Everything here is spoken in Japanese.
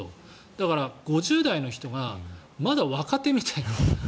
だから、５０代の人がまだ若手みたいな。